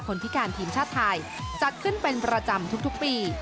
พิการทีมชาติไทยจัดขึ้นเป็นประจำทุกปี